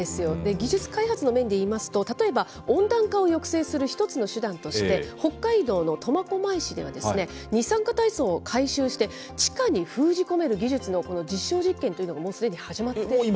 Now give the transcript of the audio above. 技術開発の面で言いますと、例えば、温暖化を抑制する一つの手段として、北海道の苫小牧市では、二酸化炭素を回収して、地下に封じ込める技術の実証実験というのがもうすでに始まっていもう今？